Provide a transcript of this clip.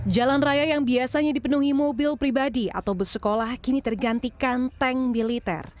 jalan raya yang biasanya dipenuhi mobil pribadi atau bus sekolah kini tergantikan tank militer